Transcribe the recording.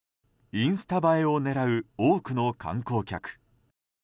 インスタ映えを狙う多くの観光客。